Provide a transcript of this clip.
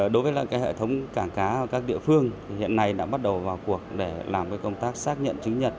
đối với hệ thống cảng cá ở các địa phương hiện nay đã bắt đầu vào cuộc để làm công tác xác nhận chứng nhật